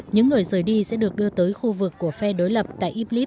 những người rời đi sẽ được đưa tới khu vực của phe đối lập tại iblis